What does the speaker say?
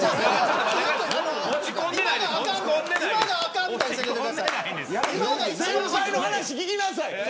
先輩の話聞きなさい。